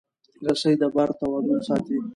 رسۍ د بار توازن ساتي.